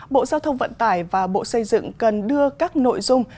bộ giao thông vận tải và bộ xây dựng cần đưa các nội dung